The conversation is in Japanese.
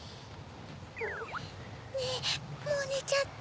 ねぇもうねちゃった？